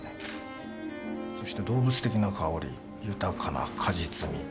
そして動物的な香り豊かな果実味。